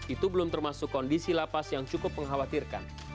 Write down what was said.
itu belum termasuk kondisi lapas yang cukup mengkhawatirkan